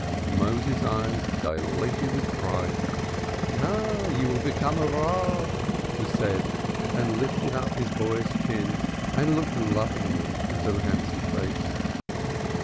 Moses's eyes dilated with pride. "Ah, you will become a Rav," he said, and lifted up his boy's chin and looked lovingly into the handsome face.